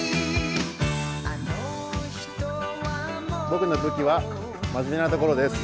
僕の武器は真面目なところです。